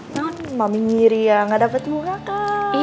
mami ngiri ya gak dapat bunga kan